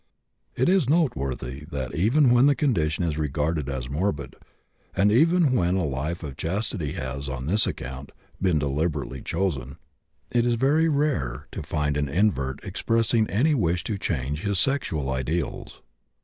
It is noteworthy that even when the condition is regarded as morbid, and even when a life of chastity has, on this account, been deliberately chosen, it is very rare to find an invert expressing any wish to change his sexual ideals.